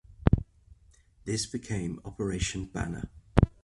This became Operation Banner.